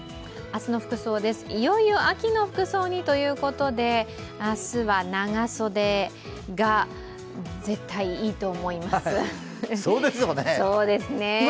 明日の服装です、いよいよ秋の服装にということで、明日は長袖が絶対いいと思います。